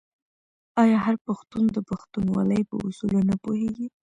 آیا هر پښتون د پښتونولۍ په اصولو نه پوهیږي؟